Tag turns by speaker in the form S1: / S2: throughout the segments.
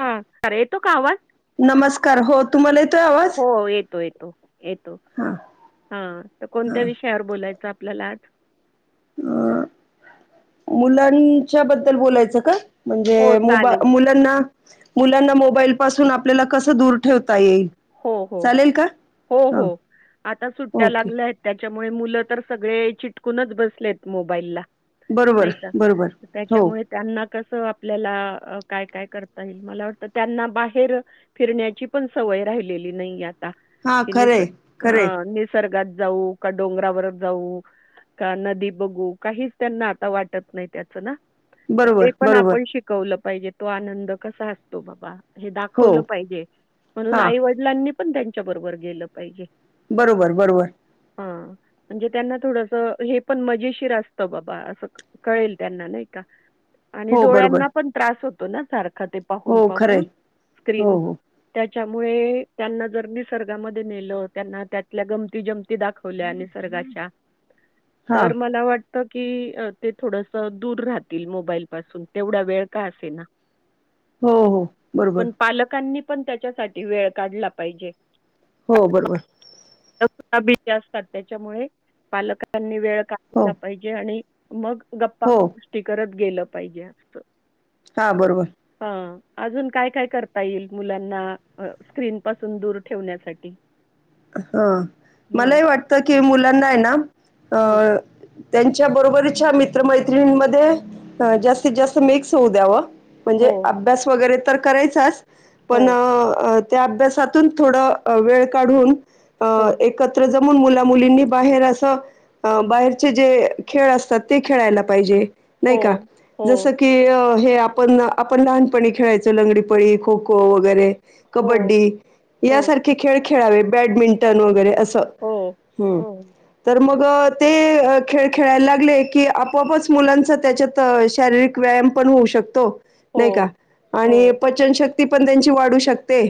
S1: हा खरं येतो का आवाज?
S2: नमस्कार हो, तुम्हाला येतोय आवाज?
S1: हो येतो, येतो, येतो.
S2: हां
S1: हा तर कोणत्या
S2: हां
S1: विषयावर बोलायचं आपल्याला आज?
S2: मुलांच्या बद्दल बोलायच का? म्हणजे
S1: हो
S2: मुबा,
S1: चालेल.
S2: मुलं तेना, मुलांना मोबाईल पासून आपल्याला कस दूर ठेवता येईल.
S1: हो, हो,
S2: चालेल का
S1: हो,
S2: हां
S1: हो आता सुट्ट्या
S2: ओके
S1: लागल्यात. त्याच्यामुळे मुलं तर सगळे चिटकूनच बसलेत मोबाईलला. नाही
S2: बरोबर,
S1: का?
S2: बरोबर
S1: तर
S2: हो.
S1: त्याच्यामुळे त्यांना कसं आपल्याला, काय -काय करता येईल, मला वाटतं त्यांना बाहेर फिरण्याची पण सवय राहिलेली नाही आता,
S2: हां
S1: कि
S2: खरं
S1: नुसतं
S2: आहे खरं
S1: हा
S2: आहे
S1: निसर्गात जाऊ? का डोंगरावर जाऊ? का नदी बघू? काहीच त्यांना आता वाटत नाही त्याच ना. तर ते
S2: बरोबर
S1: पण
S2: बरोबर
S1: आपण शि कवलं पाहिजे तो आनंद कसा असतो बाबा, हे
S2: हो
S1: दाखवलं पाहिजे. म्हणून
S2: हां
S1: आई वडिलांनी पण त्यांच्या बरोबर गेलं पाहिजे.
S2: बरोबर, बरोबर.
S1: हा, म्हणजे त्यांना थोडस, हे पण मजेशीर असतं बाबा असं. कळेल त्यांना नाही का, आणि
S2: हो बरोबर
S1: डोळ्यांना पण त्रास होतो ना सारखा ते
S2: हो
S1: पाहून,
S2: खरं
S1: पाहून
S2: आहे हो
S1: स्क्रीन.
S2: हो
S1: त्यामुळे त्यांना जर निसर्गामध्ये नेलं, त्यांना त्यातल्या गमंती जमंती दाख वल्या निसर्गाच्या
S2: [unintelligible]
S1: तर मला वाट त, की ते थोडस दूर राहतील मोबाईल पासून, तेवढा वेळ का असेना.
S2: हो हो बरोबर
S1: पण पालकांनी पण त्याच्यासाठी वेळ काढला पाहिजे.
S2: हो बरोबर.
S1: [unintelligible] त्याच्यामुळे पालकांनी वेळ
S2: हो
S1: काढला पाहि जे आणि मग गप्पा
S2: हो
S1: गोष्टी करत गेलं पाहिजे असतं.
S2: हा बरोबर.
S1: हा अजून काय काय करता येईल मुलांना अ स्क्रीन पासून दूर ठेवण्यासाठी.
S2: हा
S1: हं,
S2: मलाही वाटतं कि मुलांना आहे ना
S1: हं.
S2: अ त्यांच्या बरोबरच्या मित्रमैत्रिणीमध्ये अ जास्तीत जास्त मिक्स होऊ द्यावं. म्हणजे
S1: हो,
S2: अभ्यास वगैरे तर करायचाच
S1: हो,
S2: पण अ त्या अभ्यासातून थोडं वेळ काढून अ
S1: हो,
S2: एक कत्र जमून मुला मुलींनी बाहेर असं अ बाहेरचे जे खेळ असतात ते खेळायला पाहिजे नाही का
S1: हो,
S2: जसं की की अ हे आपण आपण लहानपणी खेळायचो लंगडीपळी खो खो वगैरे
S1: हो,
S2: कबड्डी
S1: हो,
S2: यासारखे खेळ खेळावे बॅडमिंटन वगैरे असं
S1: हो,
S2: हम्म.
S1: हो,
S2: तर मग ते खेळ खेळायला लागले की आपोआपच मुलांच त्याच्यात शारीरिक व्यायाम पण होऊ शकतो नाही का
S1: हो,
S2: आणि
S1: हो,
S2: पचनशक्ती पण त्यांची वाढू शकते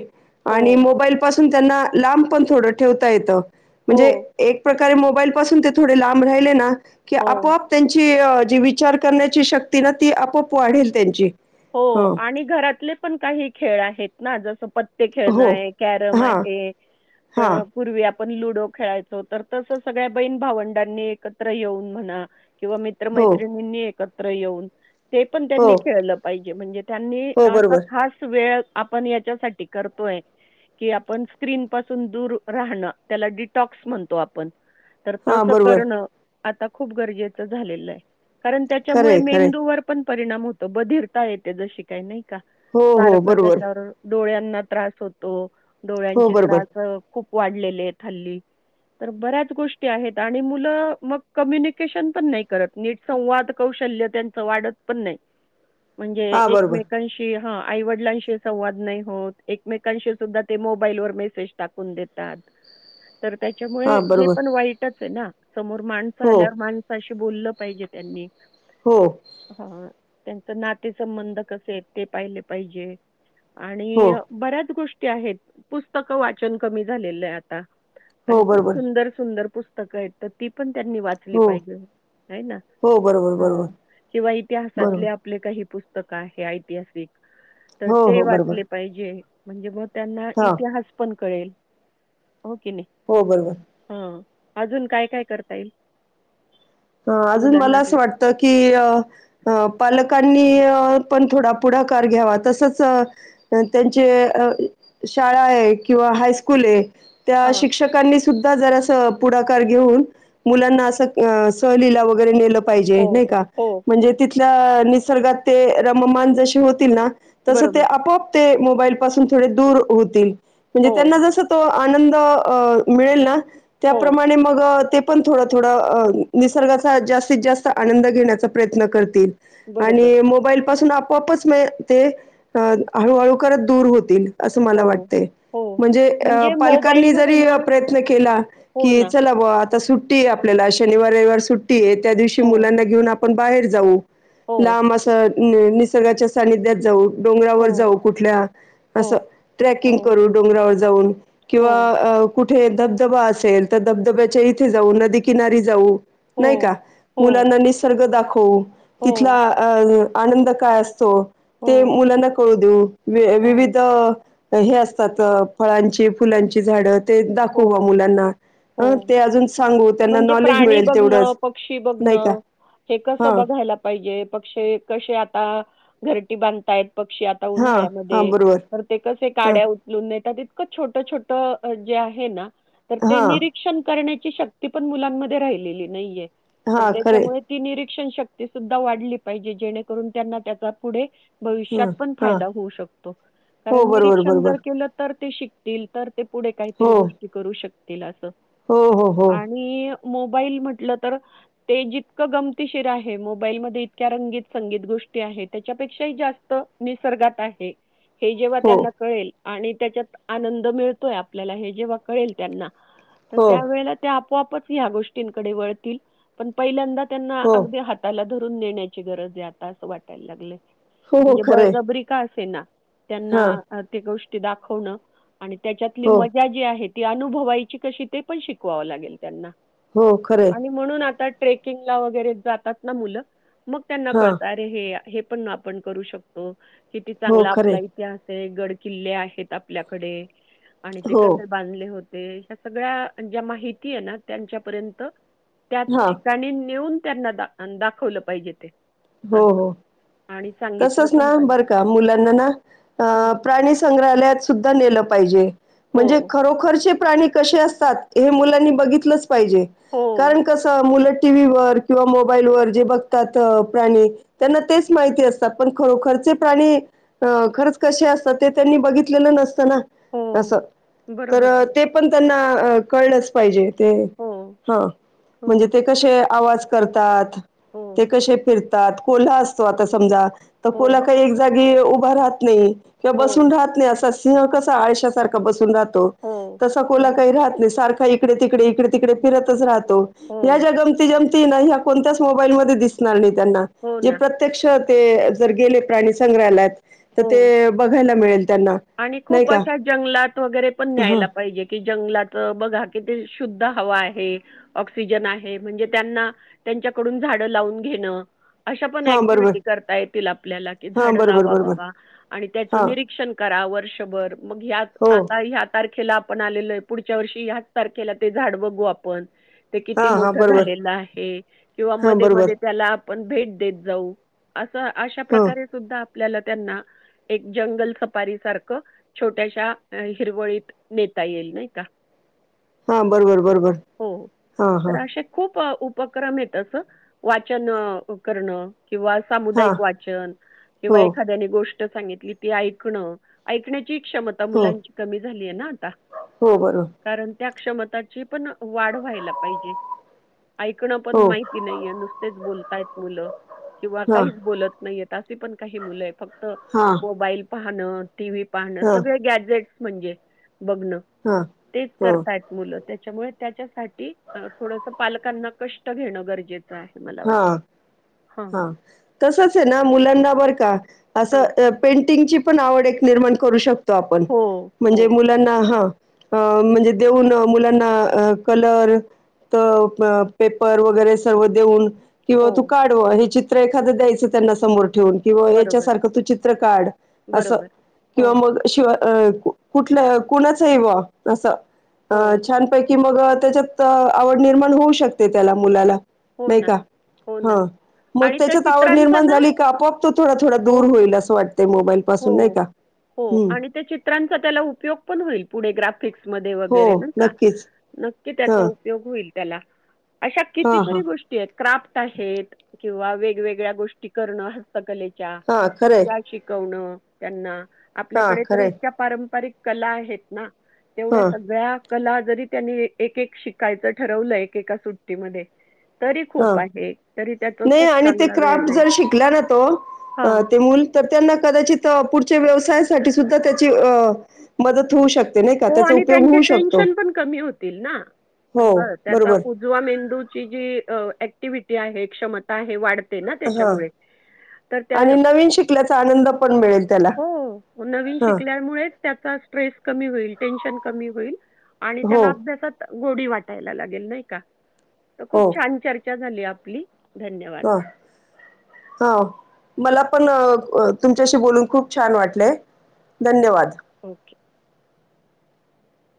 S2: आणि
S1: हो, हो,
S2: मोबाईल पासू तून पण त्यांना लांब पण थोडं ठेवता येतं म्हणजे
S1: हो,
S2: एक प्रकारे मोबाईल पासून ते थोडे लांब राहिले ना की
S1: हो.
S2: आपोआप त्यांची जी विचार करण्याची शक्ती ना ती आपोआप वाढेल त्यांची.
S1: हो
S2: हं.
S1: आणि घरातले पण काही खेळ आहेत ना जसं पत त्ते खेळणं
S2: हो.
S1: आहे, कॅरम
S2: हां.
S1: आहे
S2: हां.
S1: अ पूर्वी आपण लुडो खेळायचो तर तसं सगळ्या बहीण भावंडांनी एकत्र येऊन म्हणा किंवा
S2: हो.
S1: मित्रमैत्रिणींनी एकत्र येऊन ते पण
S2: हो.
S1: त्यांनी खेळलं पाहिजे म्हणजे त्यांनी
S2: हो,
S1: असा
S2: बरोबर.
S1: खास वेळ आपण याच्यासाठी करतोय कि आपण स्क्रीन पासून दूर राहणं त्याला डिटॉक्स म्हणतो आपण तर
S2: हां,
S1: तसं
S2: बरोबर.
S1: करणं आता खूप गरजेचं झालेलं आहे कारण
S2: खरं
S1: त्याच्यामुळे
S2: आहे, खरं आहे.
S1: मेंदूवर पण परिणाम होतो बधिरता येते जशी काही नाही का
S2: हो, हो,
S1: सारखं
S2: बरोबर.
S1: त्याच्यावर डोळ्यांना त्रास होतो
S2: हो
S1: डोळ्यांचे
S2: बरोबर
S1: त्रास खूप वाढलेले आहेत हल्ली. तर बऱ्याच गोष्टी आहेत आणि मुलं मग कम्युनिकेशन पण नाही करत. नीट संवाद कौशल्य त्यांच वाढत पण नाही म्हणजे
S2: हा बरोबर
S1: एकमेकां शी हा आईवडिलांशी संवाद नाही होत एकमेकांशी सुद्धा ते मोबाईल वर मेसेज टाकून देतात.
S2: [unintelligible]
S1: तर त्याच्यामुळे
S2: हा
S1: हे
S2: बरोबर
S1: पण वाईटच आहे ना समोर माणसं
S2: हो
S1: आल्यावर माण साशी बोललं पाहिजे त्यांनी
S2: हो.
S1: हा त्यांच नाते संंबंध कसे आहेत ते पाहिले पाहिजे
S2: हो
S1: आणि बऱ्याच गोष्टी आहेत पुस्तकं वाचन कमी झालेलं आहे आता. आणि
S2: हो
S1: खूप
S2: बरोबर
S1: सुंदर-सुंदर पुस्तकं आहेत तर ती पण त्यांनी वा चली झाली
S2: हो
S1: पाहिजे आहे ना
S2: हो बरोबर
S1: हा
S2: बरोबर
S1: किंवा
S2: बरोबर
S1: इतिहासातल्या आपले काही पुस्तक आहे ऐतिहासिक तर
S2: हो
S1: ते
S2: हो बरोबर
S1: वाचले पाहिजे. म्हणजे भव त्यांना
S2: हां
S1: इतिहास पण कळेल हो कि नाही.
S2: हो बरोबर.
S1: हा अजून काय काय करता येईल?
S2: हो अजून मला
S1: मुलांना तर?
S2: असं वाटतय की अ हो पालकांनी अ पण थोडा पुढाकार घ्यावा तसचं तर त्यांचे शाळा आहे किंवा हायस्कूल आहे त्या
S1: हां.
S2: शिक्षकांनी सुद्धा जरासं पुढाकार घेऊन मुलांना असं सपोस्ट सहलीला वगैरे नेलं पाहिजे
S1: हो,
S2: नाही का
S1: हो.
S2: म्हणजे तिथल्या निसर्गात ते रममान जसे होतील ना तसं ते
S1: बरोबर.
S2: आपोआप ते मोबाईल पासुन थोडे दूर होतील म्हणजे
S1: हो,
S2: त्यांना जसं तो आनंद अ मिळेल ना
S1: हो.
S2: त्याप्रमाणे मग ते पण थोडं थोडं अ निसर्गाचा जास्तीत जास्त आनंद घेण्याचा प्रयत्न करतील
S1: बरोबर.
S2: आणि मोबाईल पासून आप पोआपच मग ते अ हळूहळू करत दूर होतील असं मला
S1: हो,
S2: वाटतंय
S1: हो.
S2: म्हणजे अ पालकांनी
S1: मोबाईलमध्ये
S2: जरी
S1: ना
S2: प्रयत्न केला
S1: हो
S2: की
S1: ना.
S2: चला बुआ आता सुट्टी आहे आपल्याला शनिवार रविवार सुट्टी आहे त्या दिवशी
S1: हो,
S2: मुलांना घेऊन आपण बाहेर जाऊ
S1: हो.
S2: लांब असं नि निसर्गाच्या सानिध्यात जाऊ डोंगरावर
S1: हो,
S2: जाऊ कुठल्या असं
S1: हो,
S2: ट्रॅकिंग
S1: हो,
S2: करू डोंगरावर जाऊन
S1: हो,
S2: किंवा कुठ ठं धबधबा असेल तर धबधब्याच्या इथे जाऊ नदी किनारी जाऊ नाही का
S1: हो, हो,
S2: मुलांना निसर्ग दाखवू तिथला
S1: हो,
S2: अ आनंद काय असतो ते
S1: हो,
S2: मुलांना कळू दे व
S1: हो,
S2: विविध ते हे असतात फळांची फुलांची झाडं ते दाखवू बुआ
S1: हो,
S2: मुलांना
S1: हो.
S2: ते अजून सांगू त्यांना
S1: म्हणजे
S2: नॉलेज
S1: प्राणी
S2: मिळेल
S1: बघणं
S2: तेवढंच
S1: पक्षी
S2: नाही का
S1: बघणं हे कस
S2: हां
S1: बघायला पाहिजे पक्षी कसे आता घरटी बांधतायंत पक्षी आ ता
S2: हां हां
S1: उन्हाळ्यामध्ये
S2: बरोबर
S1: तर ते कसे
S2: हां
S1: काड्या उचलुन नेतात इतकं छोटं छोट जे आहे ना तर ते
S2: हां
S1: निरी क्षण करण्याची शक्ती पण मुलांमध्ये राहिलेली नाहीये तर
S2: हां खरे
S1: त्याच्यामुळे ती निरीक्षण शक्ती सुद्धा वाढली पाहिजे जेणेकरून त्यांना त्याचा पुढे भविष्यात
S2: हां
S1: पण
S2: हां
S1: फायदा होऊ शकतो
S2: हो
S1: कारण
S2: बरोबर
S1: निरीक्षण
S2: बरोबर
S1: जर केलं तर ते शिकतील तर ते पुढे काहीतरी
S2: हो
S1: गोष्टी करू शक तील अस
S2: हो हो हो
S1: आणि मोबाईल म्हटलं तर ते जितकं गमतीशीर आहे मोबाईलमध्ये इतक्या रंगीत संगीत गोष्टी आहे त्याच्यापेक्षाही जास्त निसर्गात आहे हे जेव्हा
S2: हो
S1: त्यांना कळेल आणि त्याच्यात आनंद मिळतोय आ आपल्याला हे जेव्हा कळेल त्यांना तर
S2: हो
S1: त्या वळेला ते आपोआपच ह्या गोष्टींकडे वळतील पण पहिल्यांदा त्यांना
S2: हो
S1: अगदी हात ताला धरून नेण्याची गरज आहे आता असं वाटायला लागलंय
S2: हो हो
S1: म्हणजे
S2: खरे
S1: बळजबरी का असे ना
S2: हां
S1: त्यांना ते गोष्टी दाखवणं आणि त्यांच्यातली
S2: हो
S1: मजा जी आहे ती अनुभवायची कशी ते पण शीकवावे लागेल त्यांना
S2: हो खरे
S1: आणि म्हणून आता ट्रेकिंगला वगैरे जातात ना मुलं मग त्यांना
S2: हा
S1: कळत अरे हे हे पण आपण करू शकतो हो किती
S2: हो
S1: चांगला
S2: खरे
S1: आपला इतिहास आहे गड किल्ले आहेत आपल्याकडे आणि ते
S2: हो
S1: कसे बांधले होते ह्या सगळ्या ज्या माहिती आहे ना त्यांच्या पर्यंत त्या
S2: हा
S1: ठिकाणी नेऊन त्यांना दा दाखवलं पाहिजे ते
S2: हो
S1: असं
S2: हो
S1: आणि सांगितलं
S2: तसच
S1: पण
S2: ना बरं
S1: पाहिजे.
S2: का मुलांना ना अ
S1: हं.
S2: प्राणी संग्रहालयात सुद्धा नेलं पाहिजे म्हणजे
S1: हो,
S2: खरोखरचे प्राणी कसे असतात हे मुलांनी बघितलंच पाहिजे
S1: हो,
S2: कारण कसं मुलं टीव्हीवर किंवा मोबाईलवर जे बघतात प्राणी त्यांना तेच माहिती असतात पण खरोखरचे प्राणी अ खरंच कसे असतात ते त्यांनी बघितलेलं नसतं ना
S1: हो.
S2: असं तर
S1: बरोबर.
S2: ते पण त्यांना कळलंच पाहिजे ते
S1: हो,
S2: हा म्हणजे
S1: हो,
S2: ते कसे आवाज करतात
S1: हो,
S2: ते कसे तात कोल्हा असतो आता समजा तर
S1: हो,
S2: कोल्हा काही एक जागी उभा राहत नाही किंवा बसून
S1: हो,
S2: राहत नाही असा सिंह कसा आळश्यासारखा बसून राहतो
S1: हो,
S2: तसा कोल्हा
S1: हं.
S2: काही राहत नाही सारखा इकडे तिकडे इकडे तिकडे फिरतच राहत
S1: हो,
S2: या गंमती जमतीने कुठल्याच मोबाईलमध्ये दिसणार नाही त्यांना
S1: हो
S2: जे
S1: ना.
S2: प्रे प्रत्यक्ष ते जर गेले प्राणी संग्रहालयात तर
S1: हो
S2: ते बघायला मिळेल त्यांना
S1: आणि
S2: नाही
S1: खूप
S2: का
S1: अशा जंगलात वगैरे पण
S2: हां
S1: न्यायला पाहिजे कि जंगलात बघा कि ते शुद्ध हवा आहे ऑक्सिजन आहे म्हणजे त्यांना त्यांच्याकडून झाडं लावून घेणं अशा पण
S2: हां बरोबर
S1: ऍक्टिव्हटी करता येतील आपल्याला की
S2: हां
S1: झाडं
S2: बरोबर
S1: लावा
S2: बरोबर
S1: बाबा आणि त्याचं
S2: हां
S1: निरीक्षण करा वर्षभर मग ह्यात
S2: हो
S1: आतात ह्या तारखेला आपण आलेलय पुढच्या वर्षी ह्या तारखेला ते झाड बघू आपण ते किती
S2: हां हां
S1: मोठं
S2: बरोबर
S1: झालेलं आहे किंवा
S2: हां
S1: मध्ये
S2: बरोबर
S1: मध्ये त्याला आपण भेट देत जाऊ असं अशा
S2: हां
S1: प्रकारे सुद्धा आपल्याला त्यांना एक जंगल सारख छोट्याश्या हिरवळीत नेता येईल नाही का
S2: हो बरोंबर बरोबर
S1: हो. हो.
S2: हां हां
S1: तर असे खूप उपक्रम येतात वाचन करणं किंवा-
S2: हां
S1: सामुदाईक वाचन
S2: हो
S1: किंवा एखाद्या गोष्ट सांगितली ती ऐक ऐकण्याची क्षमता
S2: हो
S1: मुलांची कमी झाली आहे ना आता
S2: हो बरोबर
S1: कारण त्या क्षमताची पण वाढ व्हायला पाहिजे ऐकणं पण
S2: हो
S1: माहित की नाहीय नुसतेच बोलतायत मुलं किंवा
S2: हां
S1: काहीच बोलत नाहीय असे पण काही मुलं आहे फक्त
S2: हां
S1: मोबाईल पाहणं टीव्ही पाहणं
S2: हां
S1: सगळे गॅजेट म्हणजे बघणं
S2: हां
S1: तेच
S2: हो
S1: करतायत मुलं त्याच्यामुळे त्याच्यासाठी थोडस पालकांना कष्ट घेणं गरजेचं मला
S2: हां
S1: वाटत ह
S2: हां. तसंच आहे ना मुलांना बरं का
S1: हां.
S2: असं पेंटिंगची पण आवड एक निर्माण करू शकतो- तो आपण
S1: हो, हो,
S2: म्हणेजे मु मुलांना हा म्हणजे देऊन मुलांना कलर तर पेपर वगैरे सर्व देऊन किंवा तू
S1: हो.
S2: काढव हे चित्र एखादं द्यायचं त्यांना समोर ठेवून किंवा
S1: बरोबर,
S2: याच्यासारखं तू चित्र काढ असं
S1: बरोबर. हो,
S2: किंवा मग शिवाय अ कुठल्या कुणाचंव असं अ
S1: हो,
S2: छानपैकी मग त्याच्यात आवड निर्माण होऊ शकते त्याला मुलाला
S1: हो
S2: नाही
S1: ना
S2: का?
S1: हो
S2: हा
S1: ना.
S2: मग
S1: आणि त्या
S2: त्याच्यात आवड
S1: चित्रांचा
S2: निर्माण
S1: ना
S2: झाली का आपोआप तो थोडा थोडा
S1: हो,
S2: दूर
S1: हो,
S2: होईल असं वाटत मोबाईल पासून नाही का हम्म
S1: चित्रचा त्याला उपयोग पण होईल पुढे ग्राफिक्स मध्ये
S2: हो
S1: वगैरे बर का
S2: नक्कीच
S1: नक्की त्या-
S2: हां
S1: उपयोग होईल त्याला अशा
S2: हां
S1: कितीतरी
S2: हां
S1: गोष्टी- क्राफ्ट आहेत किंवा वेगवेगळ्या गोष्टी करणं हस्त कलेच्या
S2: हां खरंय
S1: शिकवण त्यांना
S2: हां
S1: आपल्याकडे त
S2: खरंय
S1: इतक्या पारंपरिक कला आहेत ना तेवढ्या
S2: हां
S1: सगळ्या कला जरी त्यांनी एक-एक शिकायचं ठरवलं एकेका सुट्टीमध्ये तरी
S2: हां
S1: खूप आहे तरी त्यात
S2: नाही
S1: खूप
S2: आणि ते
S1: चांगला वेळ
S2: क्राफ्ट
S1: जाईल
S2: जर शिकला ना तो
S1: हां
S2: अ ते मूल तर त्यांना कदाचित, पुढच्या व्यवसायासाठी सुद्धा त्याची मदत होऊ शक
S1: हो, आणि त्यांचे टेन्शन पण कमी होतील ना
S2: हो
S1: अस त्या
S2: बरोबर
S1: उजवा मेंदूची जी ऍक्टिव्हटी आहे. क्षमता आहे. वाढते ना
S2: हा
S1: त्याच्यामुळे. तर त्या
S2: आणि नवीन शिकल्याचा आनंद पण मिळेल त्याला.
S1: हो नवीन
S2: हा
S1: शिकल्यामुळेच त्याचा ट्रेस कमी होईल. टेन्शन कमी होईल. आणि
S2: हो
S1: त्याला अभ्यासात गोडी वाटायला लागेल. नाही का, तर खूप
S2: हो
S1: छान चर्चा झाली आपली. धन्यवाद.
S2: ह हो, मला पण अ तुमच्याशी बोलून खूप छान वाटले. धन्यवाद.
S1: ओके.